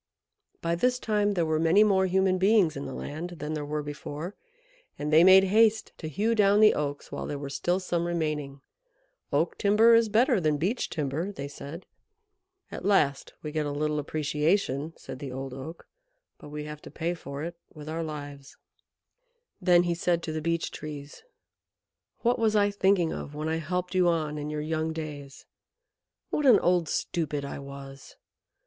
By this time there were many more human beings in the land than there were before, and they made haste to hew down the Oaks while there were still some remaining. "Oak timber is better than Beech timber," they said. "At last we get a little appreciation," said the old Oak, "but we have to pay for it with our lives." Then he said to the Beech Trees, "What was I thinking of when I helped you on in your young days? What an old stupid I was!